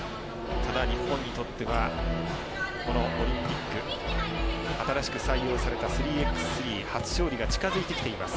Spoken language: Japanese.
ただ、日本にとってはこのオリンピック新しく採用された３ｘ３初勝利が近付いてきています。